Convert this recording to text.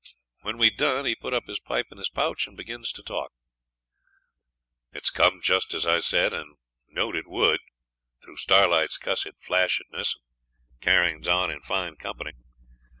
When we'd done he put up his pipe in his pouch and begins to talk. 'It's come just as I said, and knowed it would, through Starlight's cussed flashness and carryin's on in fine company.